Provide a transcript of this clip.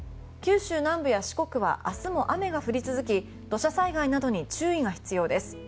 九州南部や四国は明日も雨が降り続き土砂災害などに注意が必要です。